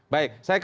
baik saya ke pak